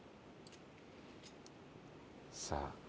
さあ